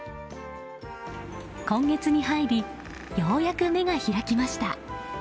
今月に入りようやく目が開きました。